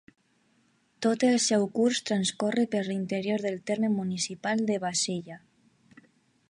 Tot el seu curs transcorre per l'interior del terme municipal de Bassella.